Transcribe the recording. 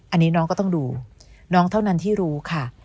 อันนี้น้องก็ต้องดูน้องเท่านั้นที่รู้ค่ะ